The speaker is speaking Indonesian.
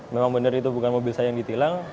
memang benar itu bukan mobil saya yang ditilang